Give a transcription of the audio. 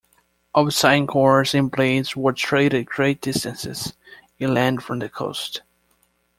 Obsidian cores and blades were traded great distances inland from the coast.